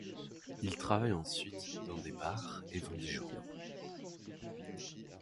Il travaille ensuite dans des bars et vend des journaux.